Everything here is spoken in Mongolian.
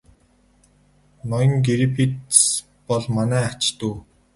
Ноён Грифитс бол манай ач дүү.